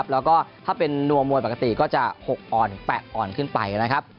แล้วก็ถ้าเป็นนวมมวยปกติก็จะ๖๘ออนขึ้นไป